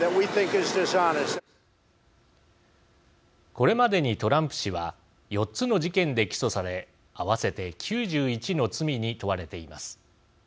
これまでにトランプ氏は４つの事件で起訴され合わせて９１の罪に問われています。